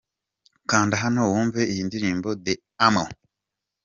Kanda hano wumve iyi ndirimbo 'Te Amo'.